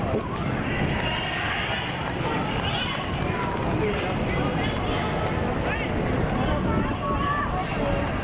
เพราะตอนนี้ก็ไม่มีเวลาให้เข้าไปที่นี่